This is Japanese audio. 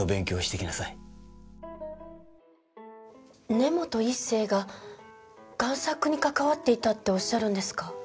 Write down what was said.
根本一成が贋作に関わっていたっておっしゃるんですか？